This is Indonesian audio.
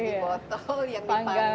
jadi botol yang dipanggang